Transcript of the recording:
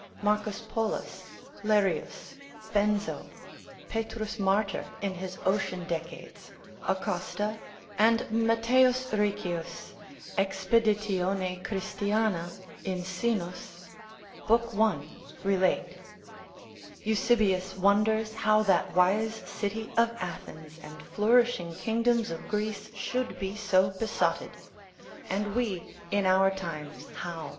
Marcus Polus, Lerius, Benzo, P. Martyr in his Ocean Decades, Acosta, and Mat. Riccius expedit. Christ. in Sinus, lib. 1. relate. Eusebius wonders how that wise city of Athens, and flourishing kingdoms of Greece, should be so besotted; and we in our times, how.